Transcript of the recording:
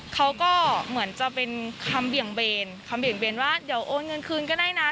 เขาก็เหมือนจะเป็นคำเบี่ยงเบนคำเบี่ยงเบนว่าเดี๋ยวโอนเงินคืนก็ได้นะ